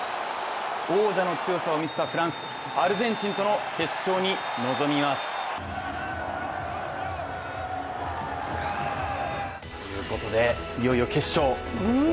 王者の強さを見せたフランス、アルゼンチンとの決勝に臨みます。ということで、いよいよ決勝。